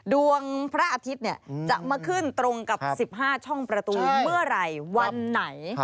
ดวงพระอาทิตย์จะมาขึ้นตรงกับ๑๕ช่องประตูเมื่อไหร่วันไหน